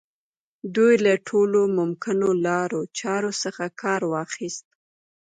دوی له ټولو ممکنو لارو چارو څخه کار واخيست.